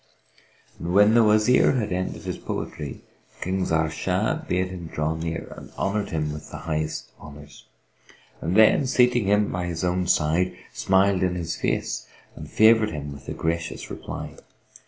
When the Wazir had ended his poetry, King Zahr Shah bade him draw near and honoured him with the highmost honours; then, seating him by his own side, smiled in his face and favoured him with a gracious reply.